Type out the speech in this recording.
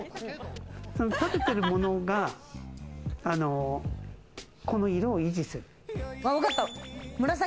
そのたべてるものがこの色を維持する。